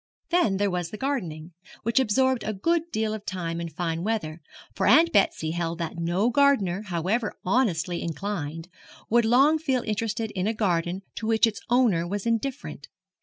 Then there was gardening, which absorbed a good deal of time in fine weather; for Aunt Betsy held that no gardener, however honestly inclined, would long feel interested in a garden to which its owner was indifferent.